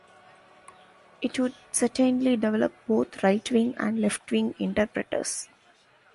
It would certainly develop both right-wing and left-wing interpreters.